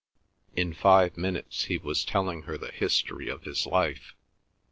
In five minutes he was telling her the history of his life.